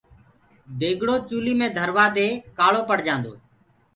ديگڙو چُولي پر ڌروآ دي ڪآݪو پڙجآندو هي۔